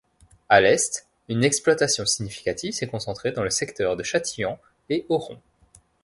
A l’est, une exploitation significative s’est concentrée dans le secteur de Châtillens et Oron.